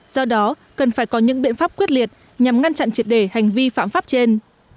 do đó cần phải có những biện pháp quyết liệt nhằm ngăn chặn triệt để hành vi phạm pháp trên